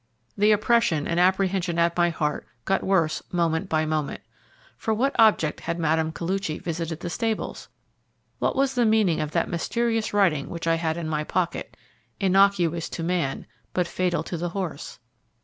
The oppression and apprehension at my heart got worse moment by moment. For what object had Mme. Koluchy visited the stables? What was the meaning of that mysterious writing which I had in my pocket "Innocuous to man, but fatal to the horse"?